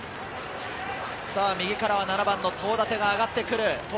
右から７番の東舘が上がってくる。